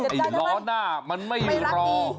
ไอ้ล้อหน้ามันไม่รอ